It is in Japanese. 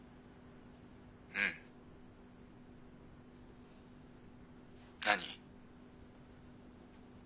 うん。何？